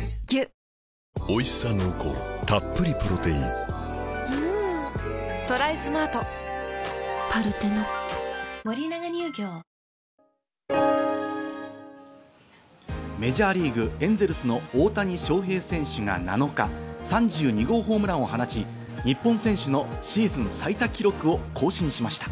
政府は東京都に４度目の緊急事態宣言を出す方針で、メジャーリーグ、エンゼルスの大谷翔平選手が７日、３２号ホームランを放ち日本選手のシーズン最多記録を更新しました。